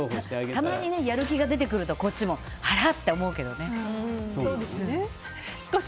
たまにやる気が出てくるとこっちもあらって思うけどね。